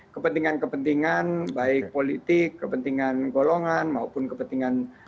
kepentingan kepentingan baik politik kepentingan golongan maupun kepentingan